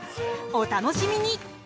お楽しみに！